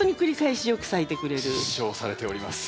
実証されております。